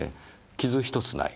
傷一つない。